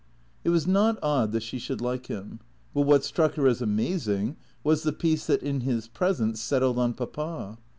It was not odd that she should like him; but what struck her as amazing was the peace that in his presence settled on Papa.